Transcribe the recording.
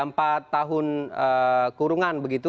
empat tahun kurungan begitu